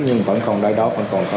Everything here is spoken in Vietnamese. nhưng vẫn còn đây đó vẫn còn đây đó